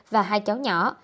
và hai cháu nhỏ